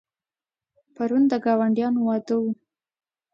پرون د ګاونډیانو واده و.